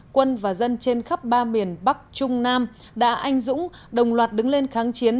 quân và dân trên khắp ba miền bắc trung nam đã anh dũng đồng loạt đứng lên kháng chiến